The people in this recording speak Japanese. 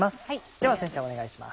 では先生お願いします。